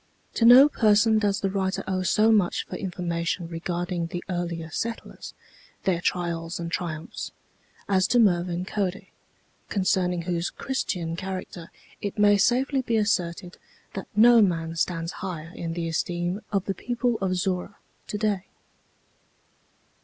To no person does the writer owe so much for information regarding the earlier settlers, their trials and triumphs, as to Mervin Cody, concerning whose Christian character it may safely be asserted that no man stands higher in the esteem of the people of Zorra to day.